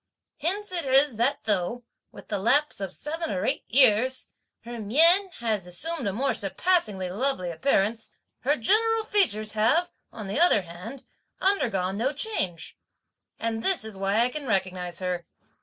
Hence it is that though, with the lapse of seven or eight years, her mien has assumed a more surpassingly lovely appearance, her general features have, on the other hand, undergone no change; and this is why I can recognise her.